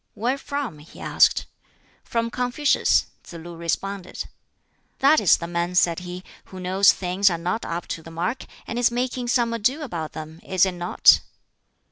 "Where from?" he asked. "From Confucius," Tsz lu responded. "That is the man," said he, "who knows things are not up to the mark, and is making some ado about them, is it not?"